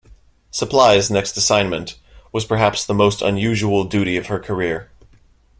"Supplys" next assignment was perhaps the most unusual duty of her career.